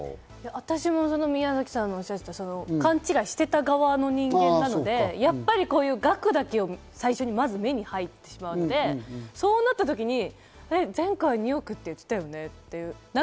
私も宮崎さんがおっしゃったように勘違いしていた側の人間なので、額だけをまず目に入ってしまって、そうなった時に前回２億って言っていたよねって。